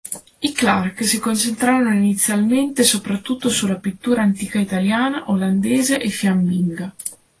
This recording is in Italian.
I Clark si concentrarono inizialmente soprattutto sulla pittura antica italiana, olandese e fiamminga.